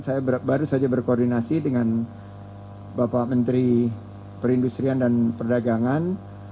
saya baru saja berkoordinasi dengan bapak menteri perindustrian dan perdagangan